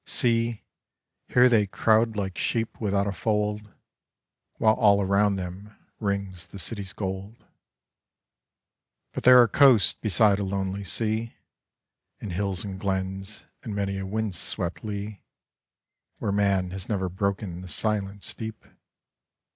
See I here they crowd like sheep without a fold, While all around them rings the city's gold. But there are coasts beside a lonely sea, And hills and glens and many a wind swept lea Where man has never broken the silence deep.